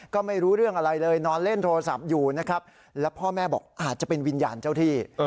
ก็ไม่รู้เรื่องอะไรเลยนอนเล่นโทรศัพท์อยู่นะครับแล้วพ่อแม่บอกอาจจะเป็นวิญญาณเจ้าที่